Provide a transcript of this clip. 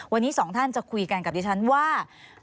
วันนี้สองท่านจะคุยกันกับดิฉันว่า